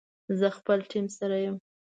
زه خپل ټیم سره یم